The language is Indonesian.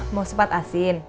mau sepat asin